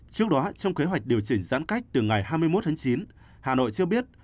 trước đó trong kế hoạch điều chỉnh giãn cách từ ngày hai mươi một tháng chín hà nội cho biết